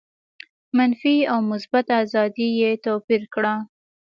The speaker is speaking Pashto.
منفي او مثبته آزادي یې توپیر کړه.